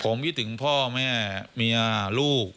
ผมคิดถึงพ่อแม่เมียลูก